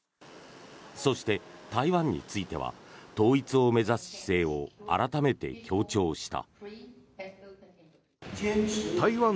そして、台湾については統一を目指す姿勢を改めて強調した。